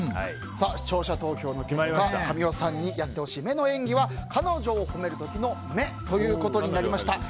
視聴者投票の結果神尾さんにやってほしい目の演技は彼女を褒める時の目ということになりました。